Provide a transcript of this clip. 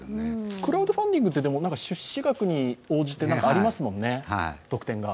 クラウドファンディングって出資額に応じて何かありますもんね、特典が。